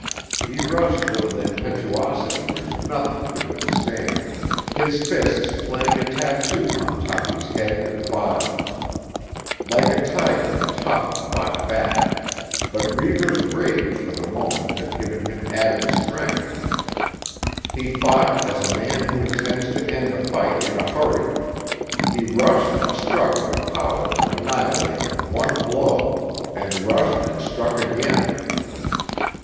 He rushed with an impetuosity which nothing could withstand, his fists playing a tattoo on Toppy's head and body. Like a tiger Toppy fought back; but Reivers' rage for the moment had given him added strength. He fought as a man who intends to end a fight in a hurry; he rushed and struck with power to annihilate with one blow, and rushed and struck again.